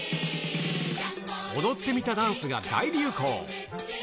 踊ってみたダンスが大流行。